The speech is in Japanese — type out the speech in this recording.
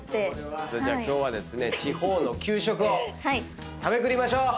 じゃあ今日は地方の給食を食べまくりましょう！